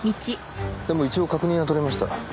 でも一応確認は取れました。